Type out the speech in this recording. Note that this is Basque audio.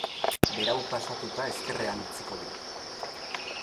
Berau pasatuta ezkerrean utziko dugu.